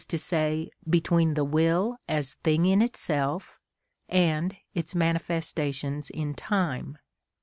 _, between the will as thing in itself and its manifestations in time.